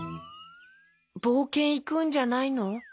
ぼうけんいくんじゃないの？